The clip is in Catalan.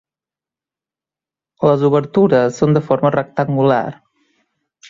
Les obertures són de forma rectangular.